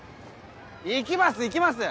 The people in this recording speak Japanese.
行きます行きます！